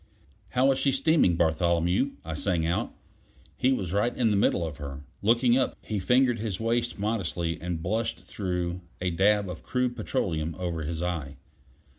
"How is she steaming, Bartholomew?" I sang out; he was right in the middle of her. Looking up, he fingered his waste modestly and blushed through a dab of crude petroleum over his eye.